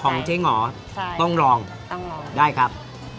ของเจ๊หงอต้องลองได้ครับ